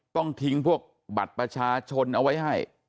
ต้องทิ้งพวกบัตรประชาชนเอาไว้ให้